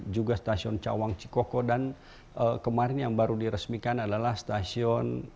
juga stasiun cawang cikoko dan kemarin yang baru diresmikan adalah stasiun